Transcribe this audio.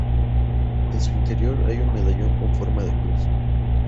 En su interior hay un medallón con forma de cruz.